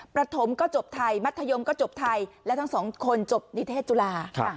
ประถมก็จบไทยมัธยมก็จบไทยและทั้งสองคนจบนิเทศจุฬา